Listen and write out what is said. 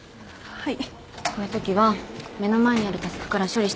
はい。